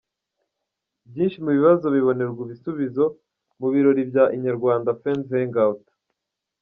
Byinshi mu bibazo bibonerwa ibisubizo mu birori bya Inyarwanda Fans Hangout.